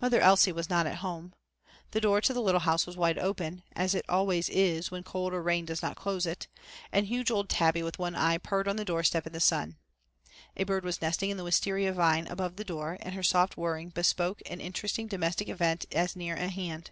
Mother Elsie was not at home. The door to the Little House was wide open, as it always is when cold or rain does not close it, and huge old Tabby with one eye purred on the doorstep in the sun. A bird was nesting in the wisteria vine above the door and her soft whirring bespoke an interesting domestic event as near at hand.